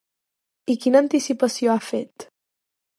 I quina anticipació ha fet?